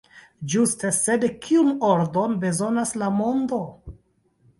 Ĝuste, sed kiun ordon bezonas la mondo?